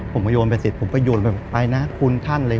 ผมก็โยนไปเสร็จผมก็โยนไปนะคุณท่านเลย